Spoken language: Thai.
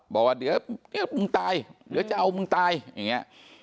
บอกว่าเดี๋ยวมึงตายเดี๋ยวจะเอามึงตายอย่างนี้